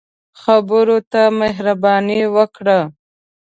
خبرو ته مهرباني ورکړه